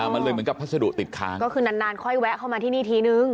มันเลยเหมือนกับพัสดุติดค้างก็คือนานนานค่อยแวะเข้ามาที่นี่ทีนึง